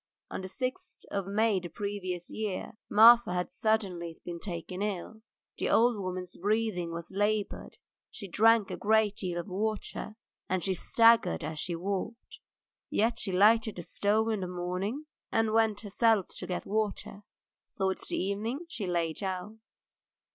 On the sixth of May of the previous year Marfa had suddenly been taken ill. The old woman's breathing was laboured, she drank a great deal of water, and she staggered as she walked, yet she lighted the stove in the morning and even went herself to get water. Towards evening she lay down.